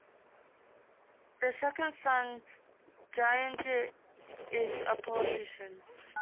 Their second son, Gaganjit is a politician.